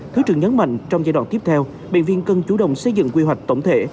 thứ trưởng nhấn mạnh trong giai đoạn tiếp theo bệnh viện cần chủ động xây dựng quy hoạch tổng thể